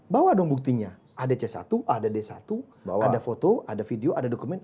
bawa dong buktinya ada c satu ada d satu ada foto ada video ada dokumen